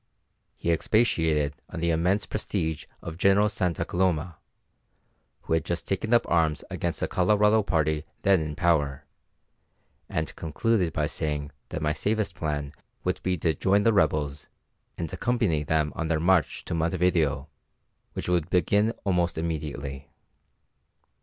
He expatiated on the immense prestige of General Santa Coloma, who had just taken up arms against the Colorado party then in power, and concluded by saying that my safest plan would be to join the rebels, and accompany them on their march to Montevideo which would begin almost immediately.